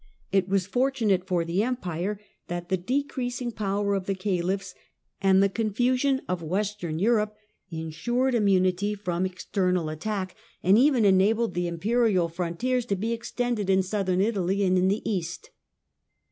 It was fortunate for the Empire that le decreasing power of the Caliphs and the confusion f Western Europe insured immunity from external 144 THE DAWN OF MEDIEVAL EUROPE attack and even enabled the Imperial frontiers to be ex tended in Southern Italy and in the East.